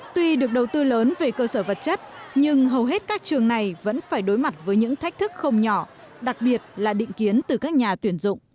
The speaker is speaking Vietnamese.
tuy được đầu tư lớn về cơ sở vật chất nhưng hầu hết các trường này vẫn phải đối mặt với những thách thức không nhỏ đặc biệt là định kiến từ các nhà tuyển dụng